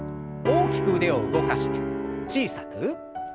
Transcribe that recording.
大きく腕を動かして小さく。